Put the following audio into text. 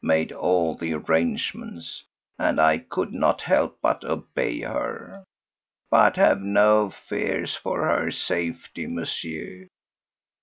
—made all the arrangements, and I could not help but obey her. But have no fears for her safety, Monsieur.